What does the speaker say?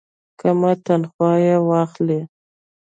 کمه تنخواه واخلي.